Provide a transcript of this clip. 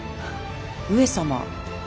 上様。